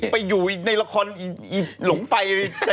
ไปอยู่ในละครหลงไฟ